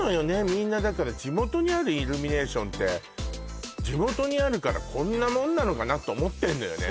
みんなだから地元にあるイルミネーションって地元にあるからこんなもんなのかなと思ってんのよね